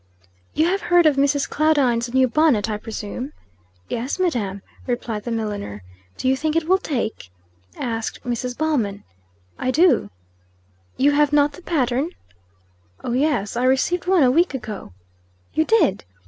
"You have heard of Mrs. Claudine's new bonnet, I presume?" "Yes, madam," replied the milliner. "Do you think it will take?" asked Mrs. Ballman. "I do." "You have not the pattern?" "Oh, yes. I received one a week ago." "You did!"